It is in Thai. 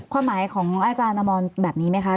ความหมายของอาจารย์อมรแบบนี้ไหมคะ